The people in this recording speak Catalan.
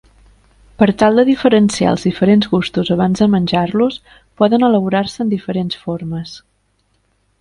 Per tal de diferenciar els diferents gustos abans de menjar-los, poden elaborar-se en diferents formes.